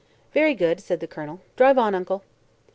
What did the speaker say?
"Very good," said the Colonel. "Drive on, Uncle."